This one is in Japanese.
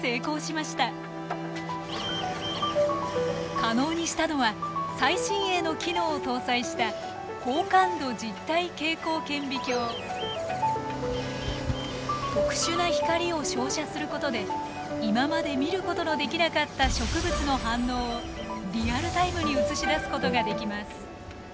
可能にしたのは最新鋭の機能を搭載した特殊な光を照射することで今まで見ることのできなかった植物の反応をリアルタイムに映し出すことができます。